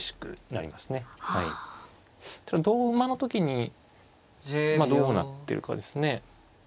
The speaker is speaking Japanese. ただ同馬の時にどうなってるかですね。